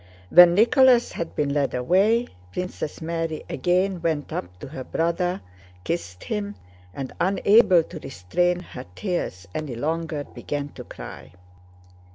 When Nicholas had been led away, Princess Mary again went up to her brother, kissed him, and unable to restrain her tears any longer began to cry.